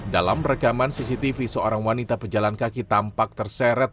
dalam rekaman cctv seorang wanita pejalan kaki tampak terseret